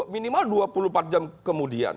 minimal dua puluh empat jam kemudian